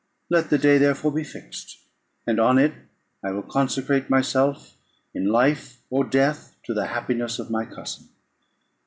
Let the day therefore be fixed; and on it I will consecrate myself, in life or death, to the happiness of my cousin."